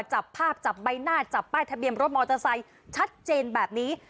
จับภาพจับใบหน้าจับป้ายทะเบียนรถมอเตอร์ไซค์ชัดเจนแบบนี้